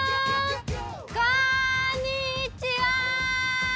こんにちは！